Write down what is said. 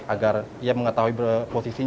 agar ia mengetahui posisinya di mana dalam pelayaran